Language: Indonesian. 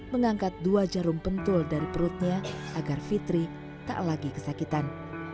mengangkat dua jarum pentul dari perutnya agar fitri tak lagi kesakitan